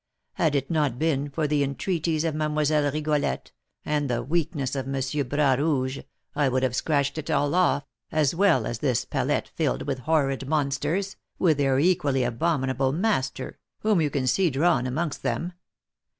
Had it not been for the entreaties of Mlle. Rigolette, and the weakness of M. Bras Rouge, I would have scratched it all off, as well as this palette filled with horrid monsters, with their equally abominable master, whom you can see drawn amongst them.